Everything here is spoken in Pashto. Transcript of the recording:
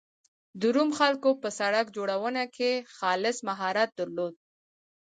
د روم خلکو په سړک جوړونه کې خاص مهارت درلود